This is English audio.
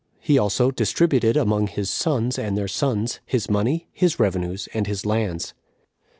He also distributed among his sons and their sons his money, his revenues, and his lands.